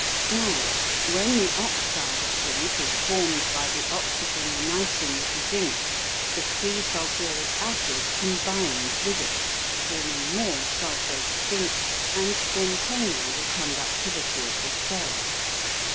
Now, when the oxide of zinc is formed by the oxygen uniting with the zinc, the free sulphuric acid combines with it, forming more sulphate of zinc, and maintaining the CONDUCTIVITY of the cell.